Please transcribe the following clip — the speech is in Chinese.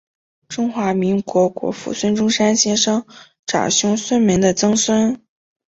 中华民国国父孙中山先生长兄孙眉的曾孙。